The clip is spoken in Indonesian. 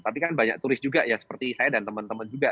tapi kan banyak turis juga ya seperti saya dan teman teman juga